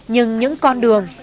nhưng những con đường